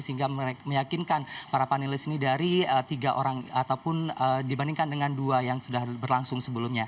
sehingga meyakinkan para panelis ini dari tiga orang ataupun dibandingkan dengan dua yang sudah berlangsung sebelumnya